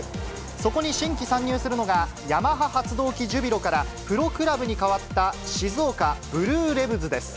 そこに新規参入するのが、ヤマハ発動機ジュビロからプロクラブに変わった静岡ブルーレヴズです。